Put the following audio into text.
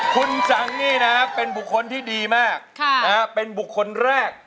คุณจังนี่นะเป็นบุคคลที่ดีมากเป็นบุคคลแรก